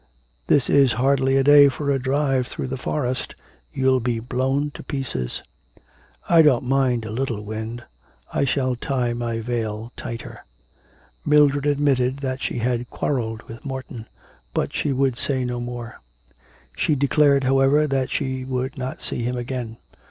'This is hardly a day for a drive through the forest; you'll be blown to pieces.' 'I don't mind a little wind. I shall tie my veil tighter.' Mildred admitted that she had quarrelled with Morton. But she would say no more. She declared, however, that she would not see him again.